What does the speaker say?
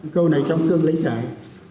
câu này trong cương lãnh đại